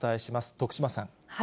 徳島さん。